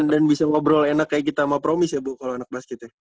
bisa ngobrol enak kayak kita sama promis ya bu kalau anak basket ya